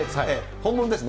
本物ですね。